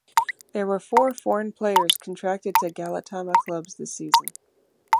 There were four foreign players contracted to Galatama clubs this season.